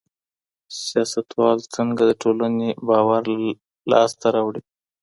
سياستوال څنګه د ټولني باور لاسته راوړي؟